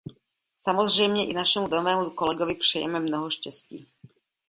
Samozřejmě i našemu novému kolegovi přejeme mnoho štěstí.